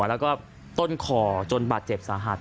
แล้วก็ต้นคอจนบาดเจ็บสาหัส